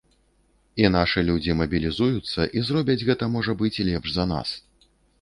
І нашы людзі мабілізуюцца і зробяць гэта, можа быць, лепш за нас.